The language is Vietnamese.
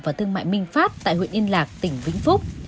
và thương mại minh pháp tại huyện yên lạc tỉnh vĩnh phúc